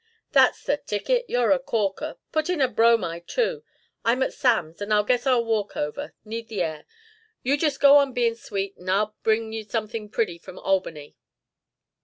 "That's the ticket. You're a corker! Put in a bromide, too. I'm at Sam's, and I guess I'll walk over need the air. You just go on bein' sweet and I'll bring you something pretty from Albany."